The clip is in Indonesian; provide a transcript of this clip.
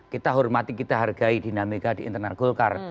kita hormati kita hargai dinamika di internal golkar